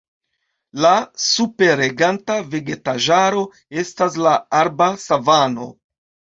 La superreganta vegetaĵaro estas la arba savano.